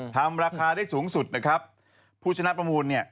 เป็นเลขสวย๓ครั้งในรอบปิง๓๖๐เนี่ย